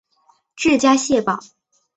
治谢家堡。